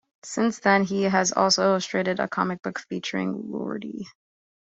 Since then, he has also illustrated a comic book featuring Lordi.